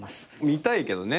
見たいけどね。